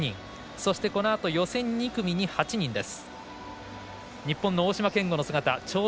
そして、このあと予選２組に８人です。